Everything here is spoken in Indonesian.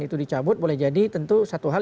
itu dicabut boleh jadi tentu satu hal